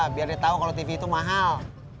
biar dia tau kalo tv itu mahal